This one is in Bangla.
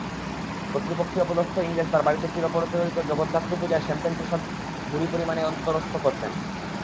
কর্তৃপক্ষীয় পদস্থ ইংরেজ তাঁর বাড়িতে চিরপ্রচলিত জগদ্ধাত্রীপূজায় শ্যাম্পেন-প্রসাদ ভুরিপরিমাণেই অন্তরস্থ করতেন।